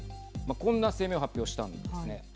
こんな声明を発表したんですね。